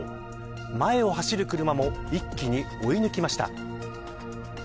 前を走る車も一気に追い抜きました。